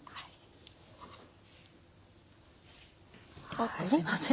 おっとすいません。